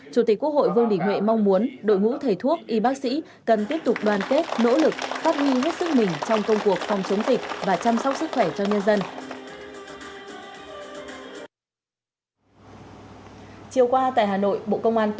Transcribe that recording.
chủ tịch quốc hội vương đình huệ mong muốn đội ngũ thầy thuốc y bác sĩ cần tiếp tục đoàn kết nỗ lực phát huy hết sức mình trong công cuộc phòng chống dịch và chăm sóc sức khỏe cho nhân dân